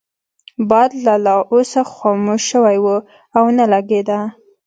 باد لا اوس خاموشه شوی وو او نه لګیده.